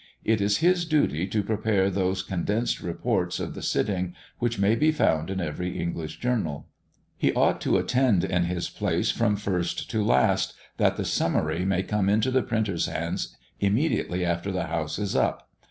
It is his duty to prepare those condensed reports of the sitting, which may be found in every English journal. He ought to attend in his place from first to last, that the summary may come into the printer's hands immediately after the house is up.